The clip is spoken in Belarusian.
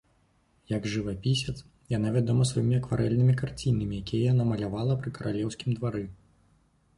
Як жывапісец, яна вядома сваімі акварэльнымі карцінамі, якія яна малявала пры каралеўскім двары.